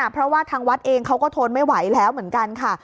เพราะว่าทางวัดเองเขาก็ทนไม่ไหวแล้วเหมือนกันค่ะ